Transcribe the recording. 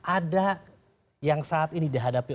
ada yang saat ini dihadapi